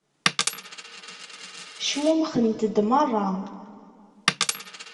Cmumxent-d meṛṛa.